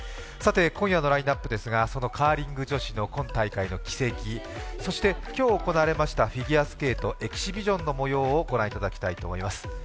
さて、今夜のラインナップカーリング女子の軌跡そして今日行われましたフィギュアスケートエキシビションのもようをご覧いただきたいと思います。